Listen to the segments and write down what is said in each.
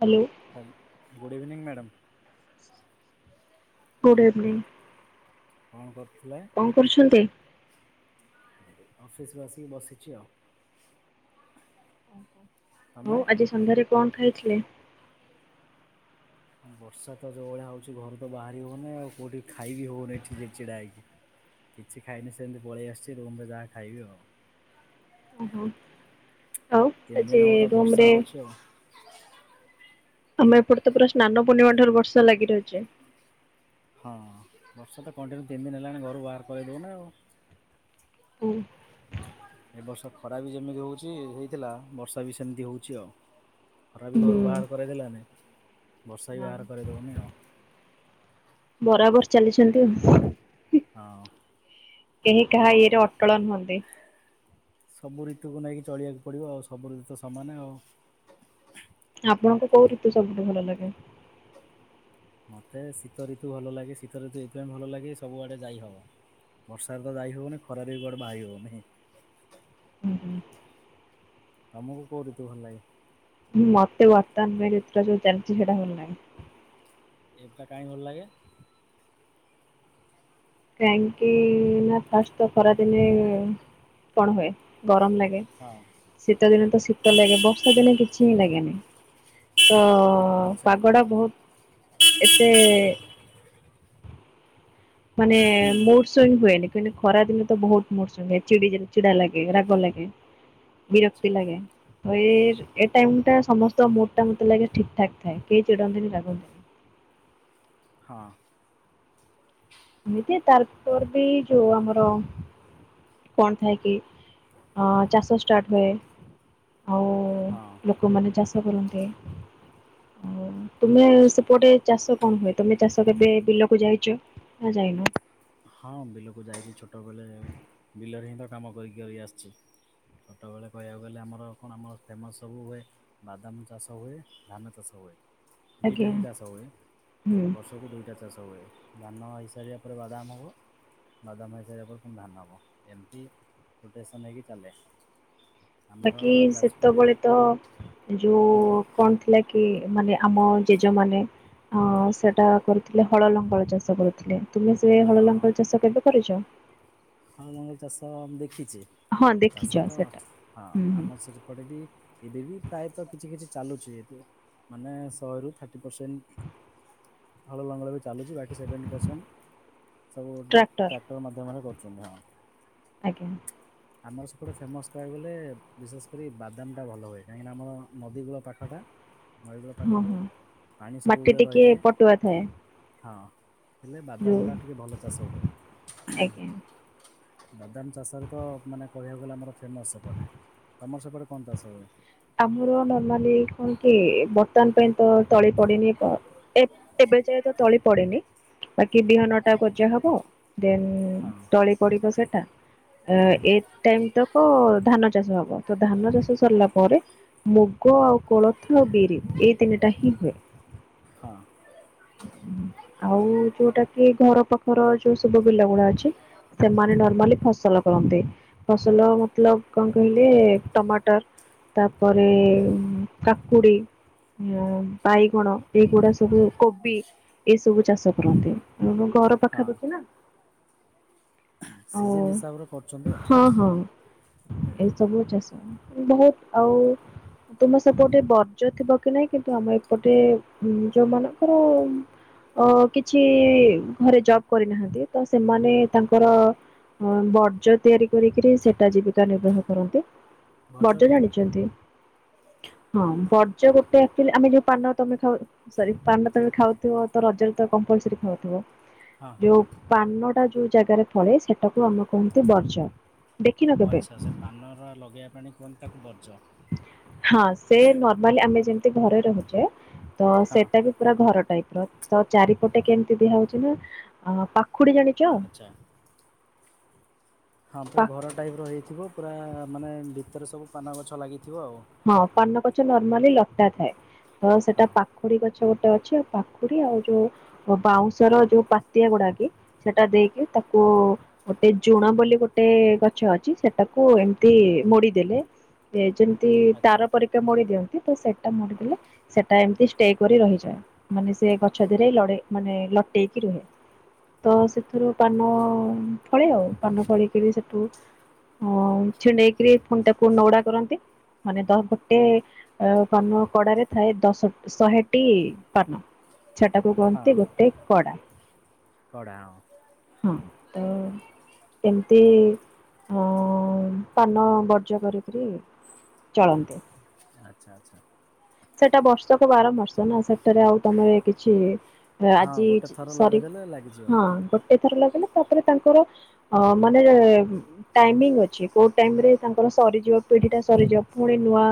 Hello. ହା good evening madam. Good evening. କଣ କରୁଥିଲେ? କଣ କରୁଛନ୍ତି? ଅଫସ ରୁ ଆସିକି ବସିକି ଆଉ। ବୋଉ ତମେ? ଆଜି ସନ୍ଧ୍ୟାରେ କଣ ଖାଇଥିଲେ? ବର୍ଷା ତ ଯୋଉ ଭଳିଆ ହଉଛି ଘରୁ ତ ବାହାରି ହଉନି ଆଉ କୋଉଠି ଖାଇବି ହଉନି ଠିକ୍ ସେ ଛିଡା ହେଇକି? କିଛି ଖାଇନି ସେମିତି ପଳେଇ ଆସିଛି ରୁମ ରେ ଯାହା ଖାଇବି ଆଉ। ଓହୋ ଆଉ ତିନି ଦିନ ଆଜି ହବ ତ ରୁମ୍ ବର୍ଷା ରେ ହଉଛି ଆଉ। ଆମେ ଏପଟେ ତ ପୁରା ସ୍ନାନ ପୂର୍ଣ୍ଣିମା ଠାରୁ ବର୍ଷା ଲାଗି ରହିଛି। ହଁ ବର୍ଷା ତ କଣ୍ଟିନ୍ୟୁ ତିନି ଦିନ ହେଲାଣି ଘରୁ ବାହାର କରିଦେଉନି ଆଉ। ହୁଁ। ଏ ବର୍ଷା ଖରା ବି ଯେମିତି ହଉଛି ହେଇଥିଲା ବର୍ଷା ବି ସେମିତି ହଉଛି ଆଉ। ଖରା ବି ହୁଁ ଘରୁ ବାହାର କରେଇ ଦେଲାନି ବର୍ଷା ବି ନା, ବାହାର କରେଇ ଦେବନି ଆଉ। ବରାବର ଚାଲିଛନ୍ତି ଆଉ। ହଁ। କେହି କାହା ଇଏରେ ଅଟଳ ନୁହନ୍ତି। ସବୁ ଋତୁକୁ ନେଇକି ଚଳିବାକୁ ପଡ଼ିବ ଆଉ ସବୁ ଋତୁ ସମାନେ ଆଉ। ଆପଣଙ୍କୁ କୋଉ ଋତୁ ସବୁଠୁ ଭଲ ଲାଗେ? ମୋତେ ଶୀତ ଋତୁ ଭଲ ଲାଗେ ଶୀତ ଋତୁ ଏଥିପାଇଁ ଭଲ ଲାଗେ ସବୁଆଡେ ଯାଇହବ? ବର୍ଷାରେ ତ ଯାଇ ହଉନି ଖରାରେ ବି ବାହାରି ହଉନି? ହୁଁ ହୁଁ। ତମକୁ କୋଉ ଋତୁ ଭଲ ଲାଗେ? ମତେ ବର୍ତ୍ତମାନ ପାଇଁ ଯୋଉ ଋତୁ ଟା ଚାଲିଛି ସେଇଟା ଭଲ ଲାଗେ। ଏଟା କାଁ ଭଲ ଲାଗେ? କାହିଁକି ନା ଫାଷ୍ଟ ତ ଖରାଦିନେ କଣ ହୁଏ? ଗରମ ଲାଗେ ହଁ ଶୀତ ଦିନେ ତ ଶୀତ ଲାଗେ ବର୍ଷା ଦିନେ କିଛି ଲାଗେନି। ତ ଆଚ୍ଛା ପାଗଟା ବହୁତ ଏତେ ମାନେ ମୁଡ୍ ସୁଇଂ ହୁଏନି। କ ଖରା ଦିନ ତ ବହୁତ ମୁଡ୍ ସୁଇଂ ହୁଏ ଚିଡି ଚିଡା ଲାଗେ ରାଗ ଲାଗେ। ବିରକ୍ତି ଆଚ୍ଛା। ଲାଗେ। ତ ଏ ଏ ଟାଇମ ଟା ସମସ୍ତ ମୁଡ ଟା ମତେ ଲାଗେ ଠିକ ଠାକ୍ ଥାଏ କେହି ଚିଡନ୍ତିନି ରାଗନ୍ତିନି। ହଁ। ଏମିତି ତାରପର ବି ଯୋଉ ଆମର କଣ ଥାଏ କି ଚାଷ ଷ୍ଟାର୍ଟ ହୁଏ ଆଉ ହଁ। ଲୋକମାନେ ଚାଷ କରନ୍ତି ଆଉ ତୁମେ ଆଚ୍ଛା। ସେପଟେ ଚାଷ କଣ ହୁଏ ତମେ ଚାଷ କେବେ ବିଲକୁ ଯାଇଛ ନା ଯାଇନ? ହଁ ବିଲକୁ ଯାଇଛି ଛୋଟବେଳେ ବିଲରେ ହିଁ ତ କାମ କରି କରି ଆସିଛି। ଛୋଟବେଳେ କହିବାକୁ ଗଲେ ଆମର କଣ ଆମ ଫେମସ୍ ସବୁ ହୁଏ। ବାଦାମ୍ ଚାଷ ହୁଏ ଧାନ ଚାଷ ହୁଏ ଦି ଆଜ୍ଞା ଟା ହିଁ ଚାଷ ହୁଏ ହୁଁ। ବର୍ଷ କୁ ଦୁଇଟା ଚାଷ ହୁଏ ଧାନ ହେଇସାରିବା ପରେ ବାଦାମ୍ ହବ। ବାଦାମ ହେଇସାରିବା ପରେ ପୁଣି ଧାନ ହବ ଏମିତି ରୋଟେସନ୍ ହେଇକି ଚାଲେ। ଆମର ବାକି ଯାଜପୁରରେ ସେତେବେଳେ ତ ହୁଁ ଯୋଉ କଣ ଥିଲା କି ମାନେ ଆମ ଜେଜ ମାନେ ଅଁ ସେଟା କରୁଥିଲେ ହଳ ଲଙ୍ଗଳ ଚାଷ କରୁ ଥିଲେ ତୁମେ ସେ ହଳ ହଁ ଲଙ୍ଗଳ ଚାଷ କେବେ କରୁଛ? ହଳ ଲଙ୍ଗଳ ଚାଷ ମୁଁ ଦେଖିଛି ହଁ ଦେଖିଛ ଚାଷ ତ ସେଟା ହଁ ହୁଁ ହୁଁ ଆମ ସେ [unintelligible] ପଟେ ବି ଏଇବେ ବି ପ୍ରାୟତଃ କିଛି କିଛି ଚାଲୁଛି ଏବେ ମାନେ ଶହେରୁ ଥାର୍ଟି ପର୍ସେଣ୍ଟ୍ ହଳ ଲଙ୍ଗଳ ବି ଚାଲୁଛି ବାକି ସେଭେଣ୍ଟି ପର୍ସେଣ୍ଟ୍ ସବୁ ଟ୍ରାକ୍ଟର ଟ୍ରା-ଟ୍ରାକ୍ଟର ମାଧ୍ୟମରେ କରୁଛନ୍ତି ହଁ୍ ଆଜ୍ଞା। ଆମର ସେପଟେ ଫେମସ୍ କହିବାକୁ ଗଲେ ବିଶେଷ କରି ବାଦାମ୍ ଟା ଭଲ ହୁଏ କାହିଁକି ନା ଆମର ନଦୀ କୂଳ ପାଖଟା। ନଈକୂଳ ହଁ ପାଖଟା ହଁ। ପାଣି ମାଟି ସବୁବେଳେ ଟିକେ ରହିଥାଏ। ପଟୁଆ ଥାଏ ହଁ ହେଲେ ବାଦାମ୍ ଯୋଉ ଟା ଟିକେ ଭଲ ଚାଷ ହୁଏ। ଆଜ୍ଞା। ବାଦାମ ଚାଷରେ ତ ମାନେ କହିବାକୁ ଗଲେ ଆମର ଫେମସ୍ ସେପଟେ ତମର ସେପଟେ କଣ ଚାଷ ହୁଏ? ଆମର ନର୍ମାଲି କଣ କି ବର୍ତ୍ତମାନ୍ ପାଇଁ ତ ତଳି ପଡ଼ିନି ଏ ଏବେ ଯାଏ ତ ତଳି ପଡ଼ିନି। ବାକି ବିହନ ଟା ଗଜା ହବ ଦେନ୍ ହଁ। ତଳି ପଡ଼ିବ ସେଟା। ଆ ଏ ଟାଇମ୍ ତକ ଧାନ ଚାଷ ହବ ତ ଧାନ ଚାଷ ସରିଲା ପରେ ମୁଗ ଆଉ କୋଳଥ ବିରି ଏଇ ତିନିଟା ହିଁ ହୁଏ। ହଁ। ହୁଁ ଆଉ ଯୋଉଟା କି ଘର ପାଖର ଯୋଉ ସବୁ ବିଲ ଗୁଡ଼ା ଅ ଛି ସେମାନେ ନର୍ମାଲି ଫସଲ କରନ୍ତି ଫସଲ ମତଲବ୍ କଣ କହିଲେ ଟମାଟର୍ ତାପରେ କାକୁଡ଼ି ମ ବାଇଗଣ ଏଇଗୁଡ଼ା ସବୁ କୋବି ଏ ସବୁ ଚାଷ କରନ୍ତି। ହୁଁ ମୋ ଘର ହଁ ପାଖାପାଖି ନା। ଓ ସିଜନ୍ ହିସାବରେ କରୁଛନ୍ତି ଆଉ ହଁ ହଁ ଏଇସବୁ ଚାଷ ହୁଏ। ବୋହୁତ୍ ଆଉ ତୁମ ସେପଟେ ବର୍ଜ୍ୟ ଥିବ କି ନାଇଁ କିନ୍ତୁ ଆମେ ଏପଟେ ଯୋଉ ମାନଙ୍କର ଅ କିଛି ଘରେ ଜବ୍ କରିନାହାନ୍ତି ତ ସେମାନେ ତାଙ୍କର ହଁ ବର୍ଜ୍ୟ ତିଆରି କରିକିରି ସେଟା ଜୀବିକା ନିର୍ବାହ କରନ୍ତି। ଭଜ ବର୍ଜ କଣ? ଜାଣିଛନ୍ତି? ହଁ ବର୍ଜ ଗୋଟେ ଆକ୍ଚୁଆଲି ଆମେ ଯୋଉ ପାନ ତମେ ଖାଅ ସରି ପାନ ତମେ ଖାଉଥିବ ତ ରଜରେ ତ କମ୍ପଲ୍ ସରି ଖାଉଥିବ। ହଁ ହଁ ଯୋଉ ପାନଟା ଯୋଉ ଜାଗାରେ ଫଳେ ସେଟାକୁ ଆମେ କହନ୍ତି ବର୍ଜ। ଓ ଆଚ୍ଛା ଆଚ୍ଛା ପାନର ଲଗେଇବା ପାଣି କୁହନ୍ତି ତାକୁ ବର୍ଜ। ହଁ ସେ ନର୍ମାଲି ଆମେ ଯେମିତି ଘରେ ରହୁଛେ ତ ହଁ ସେଟା ବି ପୁରା ଘର ଟାଇପ୍ ର ତ ଚାରିପଟେ କେମିତି ଦିଆ ହଉଛି ନା ଆ ପାଖୁଡି଼ ଜାଣିଚ? ଆଚ୍ଛା। ହଁ ପୁରା ଘର ଟାଇପ୍ ର ହେଇଥିବ ପୁରା ମାନେ ଭିତରେ ସବୁ ପାନ ଗଛ ଲାଗିଥିବ ଆଉ। ହଁ ପାନ ଗଛ ନର୍ମାଲି ଲଟା ଥାଏ ତ ସେଟା ହଁ ପା ଖୁଡି଼ ଗଛ ଗୋଟେ ଅଛି ଆଉ ପାଖୁଡି ଆଉ ଯୋଉ ବାଉଁଶର ଯୋଉ ପାତିଆ ଗୁଡ଼ାକି ସେଟା ଦେଇକି ତାକୁ ଗୋଟେ ଜୁଣ ବୋଲି ଗୋଟେ ଗଛ ଅଛି ସେଟାକୁ ଏମିତି ମୋଡ଼ି ଦେଲେ ଯେମିତି ଆଚ୍ଛା ତାର ପରିକା ମୋଡ଼ି ଦିଅନ୍ତି ତ ସେଟା ମୋଡ଼ି ଦେଲେ ସେଟା ଏମିତି ଷ୍ଟେ କରି ରହିଯାଏ ମାନେ ସେ ଗଛ ଦିହରେ ଲଡ଼େ ମାନେ ଲଟେଇକି ରୁହେ। ତ ସେଥିରୁ ପାନ ଫଳେ ଆଉ କାନ ଫଳେଇକରି ସେଠୁ ଆ ଛିଣ୍ଡେଇକିରିପୁଣି ତାକୁ ନଉଡା କରନ୍ତି। ମାନେ ଦଶ ଗୋଟେ ଅ ପାନ କଡାରେ ଥାଏ ଦଶ ଶହେଟି ପାନ ଛଟାକୁ ହଁ କୁହନ୍ତି ଗୋଟେ କଡା କଢ଼ା ହଁ ହଁ ତ ଏମିତି ଉ ପାନ ବର୍ଜା କରିକରି ଚଳନ୍ତୁ ଆଚ୍ଛା ଆଚ୍ଛା ସେଟା ବର୍ଷକୁ ବାରମର୍ଷ ନା ସେଠାରେ ଆଉ ତମର କିଛି ହଁ ଆଜି ଗୋଟେ ଥର ସରି ଲଗେଇଦେଲେ ଲାଗିଯିବ ହଁ ଗୋଟେ ଥର ଲାଗିଲା ତାପରେ ତାଙ୍କର ଅ ମାନେ ଟାଇମୀଙ୍ଗି ଅଛି କୋଉ ଟାଇମରେ ତାଙ୍କର ସରିଯିବ ପିଢି ଟା ସରିଯିବ ପୁଣି ନୂଆ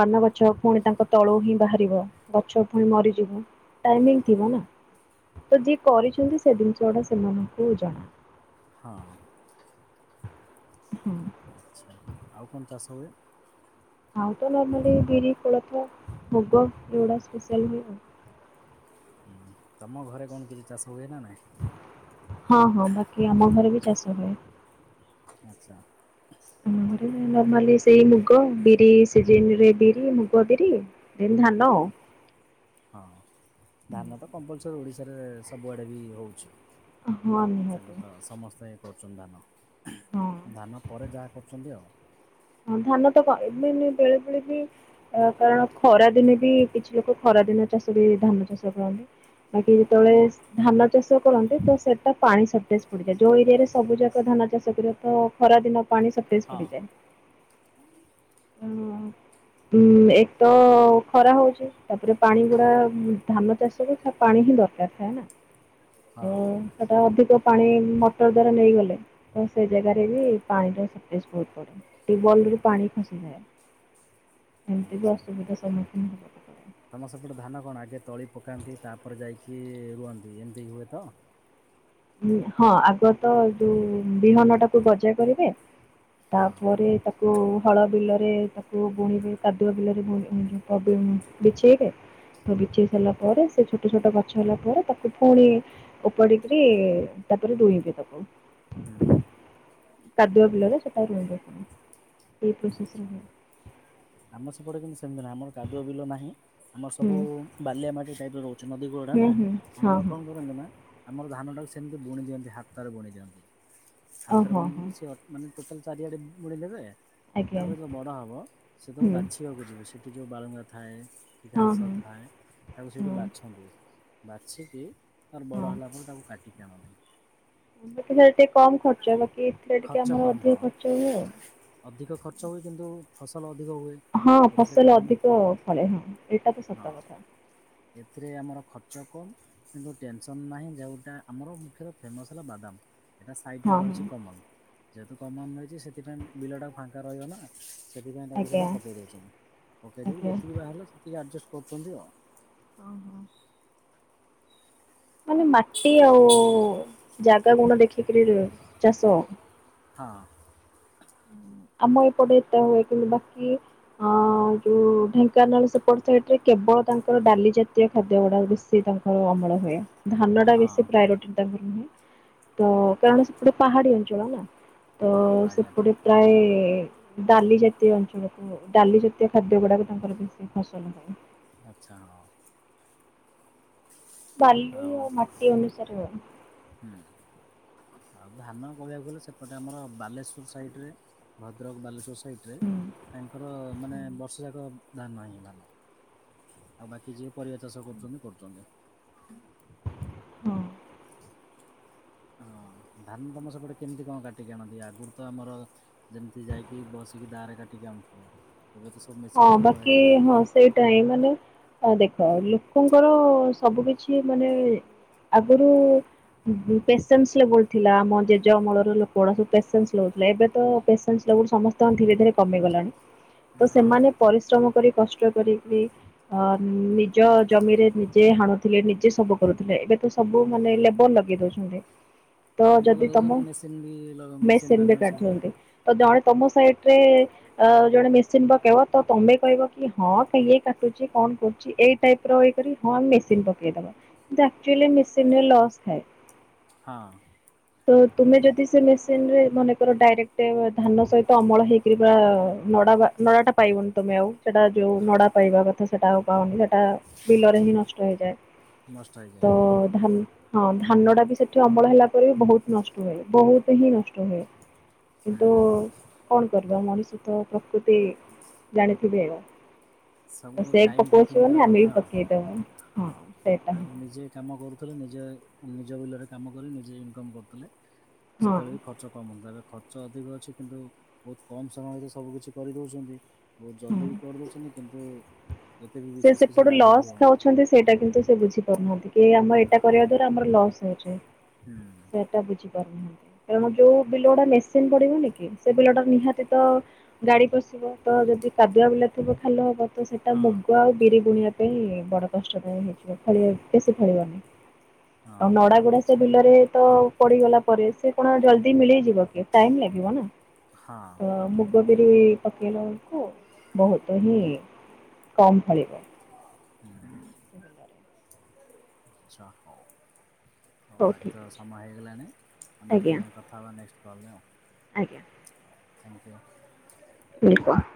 ପାନ ଗଛ ପୁଣି ତାଙ୍କ ତଳୁ ହିଁ ବାହାରିବ ଗଛ ପୁ ମରିଯିବ ଟାଇମିଙ୍ଗ ଥିବ ନା ତ ଯିଏ କରିଛନ୍ତି ସେ ଜିନିଷ ଗୁଡା ସେମାନଙ୍କୁ ଜଣା ହଁ ହୁଁ ଆଚ୍ଛା ଆଉ କଣ ଚାଷ ହୁଏ? ହଁ ତ ନର୍ମଲି ବିରି ଖୋଳ ମୃଗ ସ୍ପେଶଲ ହୁଏ ହୁଁ ତମ ଘରେ କଣ କିଛି ଚାଷ ହୁଏ ନା ନାଇଁ ହଁ ହଁ ବାକି ଆମ ଘରେ ବି ଚାଷ ହୁଏ ଆଚ୍ଛା ନର୍ମାଲି ସେଇ ମୁଗ ବିରି ସିରେ ବିରି ମୁଗ ବିରି ଏମୀ ଧାନ ହଁ ଧାନ ତ କମ୍ପଲସର ଓଡ଼ିଶାରେ ସବୁଆଡ଼େ ବି ହେଉଛି ହଁ ନିହାତି। ସେଇଟା ତ ସମସ୍ତେ କରୁଛନ୍ତି ଧାନ ହଁ ଧାନ ପରେ ଯାହା କରୁଛନ୍ତି ଆଉ ହଁ ଧାନ ତ କ ଏବେ ମେ ବେଳେ ବେଳେ ବି କାରଣ ଖରା ଦିନେ ବି କିଛି ଲୋକ ଖରା ଦିନ ଚାଷ ବି ଧାନ ଚାଷ କରନ୍ତି। ବାକି ଯେତେବେଳେ ଧାନ ଚାଷ କରନ୍ତି ତ ସେଟା ପାଣି ସର୍ଟେଜ ପଡିଯାଏ ଯୋଉ ଏରିଆରେ ସବୁ ଯାକ ଧାନ ଚାଷ କରିବା ତ ଖରା ଦିନ ପାଣି ସପେଜ ହଁ ପଡ଼ିଯାଏ ହଁ ଉଁ ଏକ ତ ଖରା ହଉଛି ତାପରେ ପାଣି ଗୁଡା ଧାନ ଚାଷ ପାଣି ହିଁ ଦରକାର ଥାଏ ନା ତ ହଁ ସେଟା ଅଧିକ ପାଣି ମଟର ଦ୍ଵାରା ନେଇଗଲେ ତ ସେ ଜାଗାରେ ବି ପାଣି ସଟେଜ ହୋଇପାରେ ଟିବଲ ରୁ ପାଣି ଏମତି ବି ଅସୁବିଧା ସମ୍ମୁଖୀନ ହବ ତମସେପଟେ ଧାନ କଣ ଆଗେ ତଳି ପକାନ୍ତି ତାପରେ ଯାଇକି ରୁହନ୍ତି ଏମିତି ହୁଏ ତ ହଁ ଆଗ ତ ଯୋଉ ବିହନ ଟାକୁ ଗଜା କରିବେ ହଁ ତାପରେ ତାକୁ ହଳ ବିଲରେ ବୁଣିବେ କାଦୁଆ ବିଲରେ ବିଛେଇବେ ବିଛେଇ ସାରିଲା ପରେ ସେ ଛୋଟ ଛୋଟ ଗଛ ହେଲା ପରେ ତାକୁ ପୁଣି ଉପଡିକି ତାପରେ ଧୁଇବେ ହୁଁ ହୁଁ ତାକୁ କାଦୁଆ ବିଲରେ ସେଟା ରହ ଏଇ ପ୍ରସେ ଆଚ୍ଛା ଆମ ସେପଟରେ କିନ୍ତୁ ସେମିତି ନାହିଁ ଆମର କାଦୁଅ ବିଲ ନାହିଁ ଆମର ସବୁ ହୁଁ ବାଲିଆ ମାଟି ଟାଇପ୍ର ରହୁଛି ଛ ନଦୀ ଗୁଡା ନା ହୁଁ ହୁଁ ହଁ ଆମଉ ହଁ କଣ କରନ୍ତି ନା ଆମର ଧାନଟାକୁ ସେମିତି ବୁଣି ଦିଅନ୍ତି ହାତରେ ବୁଣି ଦିଅନ୍ତି ଓ ହାତରେ ହଁ ବୁଣି ହଁ ଦିଅନ୍ତି ସେ ମାନେ ଟୋଟାଲ ଚାରିଆଡ଼େ ବୁଳିଦେବେ ଆଜ୍ଞା ତାପରେ ଯେତେବେଳେ ବଡ଼ ହେବ ସେତଳେ ହୁଁ ବାଛି ଆକୁ ଯିବେ ସେଇଠି ଯେଉଁ ବାଳୁଙ୍ଗା ଥାଏ କି ହଁ ଘାସ ହଁ ଥାଏ। ତାକୁ ସେଇଠି ହଁ ବାଛନ୍ତି ବାଛିକି ତାର ବଡ଼ ହଁ। ହେଲା ପରେ ତାକୁ କାଟିକି ଆଣନ୍ତି। ଏବେ ଟିକେ ଏତେ କମ ଖର୍ଚ୍ଚ ବାକି ଏଥିରେ ଟିକେ ଖର୍ଚ୍ଚ ଆମର କମ୍ ହଁ ଅଧିକ ଖର୍ଚ୍ଚ ହୁଏ ଆଉ। ଅଧିକ ଖର୍ଚ୍ଚ ହୁଏ କିନ୍ତୁ ଫସଲ ଅଧିକ ହୁଏ। ହଁ ଏଥିରେ ଫସଲ କମ୍ ଅଧିକ ଖ- ଫଳେ ହଁ ଏଇଟା ତ ହଁ ସତ କଥା। ଏଥିରେ ଆମର ଖର୍ଚ୍ଚ କମ୍ କିନ୍ତୁ ଟେନସନ୍ ନାହିଁ ଯେଉଁଟା ଆମର ମୁଖ୍ୟତଃ ଫେମସ୍ ହେଲା ବାଦାମ। ଏଇଟା ସାଇଟରେ ହଁ ରହିଛି ହଁ କମନ ଯେହେତୁ କମନ ରହିଛି ସେଥିପାଇଁ ବିଲଟା ଫାଙ୍କା ରହିବ ନା। ସେଥିପାଇଁ ତାକୁ ଆଜ୍ଞା ସେଇଟା ପକେଇ ଦଉଛନ୍ତି ପକେଇ ଦେଇକି ଆଜ୍ଞା ଯେତିକି ବାହାରିଲା ସେତିକି ଆଡଜଷ୍ଟ କରୁଛନ୍ତି ଆଉ। ଓ ହୋ। ମାନେ ମାଟି ଆଉ ଜାଗା ଗୁଣ ଦେଖିକରି ଚାଷ ହଁ। ଆମ ଏପଟେ ଏତେ ହୁଏ କିନ୍ତୁ ବାକି ହଁ ଯୋଉ ଢେଙ୍କାନାଳ ସେପଟ ସାଇଟି ରେ କେବଳ ତାଙ୍କର ଡାଲି ଜାତୀୟ ଖାଦ୍ୟ ଗୁଡା ବେଶୀ ସେ ତାଙ୍କର ଅମଳ ହୁଏ। ଧାନ ଟା ବେଶୀ ହଁ ପ୍ରାୟୋରିଟି ତାଙ୍କର ନୁହେଁ ତ କାରଣ ସେ ଗୋଟେ ପାହାଡି ଅଞ୍ଚଳ ନା। ତ ହଁ ପାହାଡ଼ିଆ ଅଞ୍ଚଳ ସେପଟେ ପ୍ରାୟଏ ଡାଲି ଜାତୀୟ ଅଞ୍ଚଳକୁ ଡାଲି ଜାତୀୟ ଖାଦ୍ୟ ଗୁଡାକ ତାଙ୍କର ବେଶୀ ଫସଲ ପାଇଁ ଆଚ୍ଛା ହିଁ। ଆଉ କାଲୁ ମାଟି ଅନୁସାରେ ହୁଏ। ହୁଁ। ଆଉ ଧାନ କହିବାକୁ ଗଲେ ସେପଟେ ଆମର ବାଲେଶ୍ୱର ସାଇଟ ରେ ଭଦ୍ରକ ବାଲେଶ୍ୱର ସାଇଟରେ ହୁଁ। ତାଙ୍କର ମାନେ ବର୍ଷ ଯାକ ନା ନାହିଁ ଧାନ ଆଉ ବାକି ଯିଏ ପରିବା ଚାଷ କରୁଛନ୍ତି କରୁଛନ୍ତି। ହଁ। ହଁ ଧାନ ତମ ସେପଟେ କେମିତି କଣ କାଟିକି ଆଣନ୍ତି ଆଗରୁ ତ ଆମର ଯେମିତି ଯାଇକି ବସିକି ଦାଆ ରେ କାଟିକି ଆଣୁଥିଲେ ଏବେ ତ ସବୁ ମେସିନ୍ ହଁ ସବୁ ବାକି ବାହାରି ହେଗଲାଣି। ହଁ ସେଇଟା ହିଁ ମାନେ ଦେଖ ଲୋକଙ୍କର ସବୁ କିଛି ମାନେ ଆଗରୁ ପେସେନ୍ସ ଲବଲୁଥିଲା ଆମ ଜେଜେ ଅମଳରେ ଲୋକଗୂଡା ସବୁ ପେସେନ୍ସ ଲୋଥିଲେ ଏବେ ତ ପେସେଶ୍ ଲେବୁଲୁ ସମସ୍ତଙ୍କର ଧୀରେ ଧୀରେ କମି ଗଲାଣି। ହଁ। ସେମାନେ ପରିଶ୍ରମ କରି କଷ୍ଟ ରିକିରିକି ନିଜ ଜମିରେ ନିଜେ ହାଣୁ ଥିଲେ ନିଜେ ସବୁ କରୁଥିଲେ ଏବେ ତ ସବୁ ମାନେ ଲେବର ଲଗେଇ ଦଉଛନ୍ତି। ତ ଲେବର ଯଦି ତମ ଲଗେଇଛନ୍ତି ମେସିନ୍ ବି ମେସିନ୍ ମେସିନ ବି ମାଧ୍ୟମରେ ସବୁ କାଟୁଛନ୍ତି। ତ ଜଣେ ତମ ସାଇଟରେ ଅ ଜଣେ ମେଦିନୀ ପକେଇବ ତ ତମେ କହିବ କି ହଁ କିଏ କାଟୁଛି କଣ କରୁଛି ଏଇ ଟାଇପ ର କରି ହଁ ମେସିନି ପକେଇବା କନ୍ତୁି ଆକଚୁଆଲି ମେସିନିରେ ଲସ୍ ଥାଏ। ହଁ। ତ ତୁମେ ଯଦି ସେ ମେସିନିରେ ମନେକର ଡାଇରେକ୍ଟ ଧାନ ସହିତ ଅମଳ ହେଇକରି ନଡାବା ନା ଟା ପାଇବନି ତମେ ଆଉ ସେଟା ଯୋଉ ନଡା ପାଇବା କଥା ତ ସେଟା ଆଉ ପାଉନି ସେଟା ବିଲରେ ହିଁ ନଷ୍ଟ ହେଇଯାଏ ନଷ୍ଟ ହେଇଯାଏ। ତ ଧାନ ହଁ ଧାନ ଟା ବି ସେଠି ଅମଳ ହେଲା ପରେ ବି ବହୁତ ନଷ୍ଟ ହୁଏ ବହୁତ ହିଁ ନଷ୍ଟ ହୁଏ। ହୁଁ କିନ୍ତୁ କଣ କରିବା ମଣିଷ ତ ପ୍ରକୃତି ଜାଣିଥିବେ? ସବୁ ସେ ଟାଇମ୍ ପକଉଛି ଟେକିଂର ମାନେ ଆମେ କଥା ବି ଆଉ। ପକେଇଦବା ହଁ ସେଟା ହିଁ। ଆଗରୁ ନିଜେ କାମ କରୁଥିଲେ ନିଜେ ନିଜ ବିଲରେ କାମ କରି ନିଜେ ଇନକମ୍ କରୁଥିଲେ। ହଁ ସେତେବେଳେ ବି ଖର୍ଚ୍ଚମ ହେଥିଲା ଖ ଖର୍ଚ ଅଧିକ ଅଛି କିନ୍ତୁ ବହୁତ କମ୍ ସମୟରେ ସବୁ କିିଛି କରିଦେଉଛନ୍ତି ବହୁତ ହଁ। ଜଲ୍ଦି ବି କରିଦେଉଛନ୍ତି। କିନ୍ତୁ ଏତେ ବି ସେ ବିଶେଷ କିଛି ସେପଟୁ ଲାଭ ବି ଲସ୍ ହଉନି। ଖାଉଛନ୍ତି ସେଇଟା କିନ୍ତୁ ସେ ବୁଝି ପାରୁନାହାନ୍ତି କି ଆମ ଏଇଟା ହଁ କରିବା ଦ୍ଵାରା ଆମର ଲସ୍ ହଉଛି। [inaudible] ତେଣୁ ଯଉ ବିଲ ଗୁଡ଼ା ମେସିନ୍ ପଡିବନି କି, ସେ ବିଲଟା ନିହାତି ତ ଗାଡ଼ି ପସିବ, ତ ଯଦି କାଦୁଆ ବିଲ ଥିବ ଖାଲ ହବ। ତ ସେଟା ହଁ ଆଉ ବିରି ବୁଣିବା ପାଇଁ ବଡ଼ କଷ୍ଟ ହେଇଯିବ। ବେଶୀ ଫଳିବ ଆଉ ନଡ଼ା ଗୁଡା ସେ ବିଲରେ ତ ପଡିଗଲା ପରେ, ସେ କ'ଣ ଜଲ୍ଦି ମିଳେଇ ଯି ଟାଇମ୍ ଲାଗିବ ନା। ହଁ ଆଚ୍ଛା। ହଁ ତ ବିରି ପକେଇଲା ବହୁତୁ ହିଁ କମ୍ ଫଳିବ। ହୁଁ [unintelligible] [inaudible] ହଉ ଆଜି ଠିକ୍ ତ ଅଛି। ସମୟ ହେଇଗଲାଣି, ଆମେ ଆଜ୍ଞା ପୁଣି କଥା ହେବା ନେକ୍ସଟ୍ କଲ୍ ରେ ଆଉ। ଆଜ୍ଞା। [inaudible] [inaudible]